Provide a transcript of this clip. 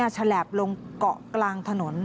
ฉลาบลงเกาะกลางถนน